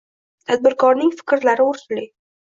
Tadbirkorning fikrlari o'rinli